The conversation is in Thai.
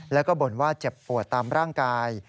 แล้วก็บ่นว่าเจ็บปวดตามร่างกาย